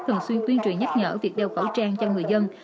thường xuyên tuyên truyền nhắc nhở việc đeo khẩu trang cho người dân